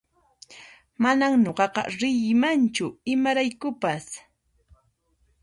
Manan nuqaqa riymanchu imaraykupas